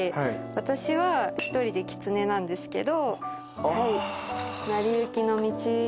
私は１人でキツネなんですけど。